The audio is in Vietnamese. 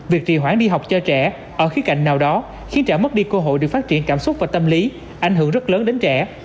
việc trì hoãn đi học cho trẻ ở khía cạnh nào đó khiến trẻ mất đi cơ hội được phát triển cảm xúc và tâm lý ảnh hưởng rất lớn đến trẻ